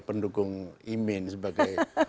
pendukung imin sebagai